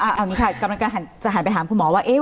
เอาอันนี้ค่ะกำลังการจะหันไปหาคุณหมอว่า